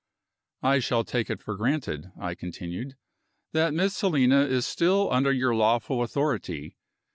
"I shall take it for granted," I continued, "that Miss Helena is still under your lawful authority.